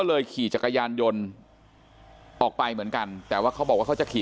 ขี่จักรยานยนต์ออกไปเหมือนกันแต่ว่าเขาบอกว่าเขาจะขี่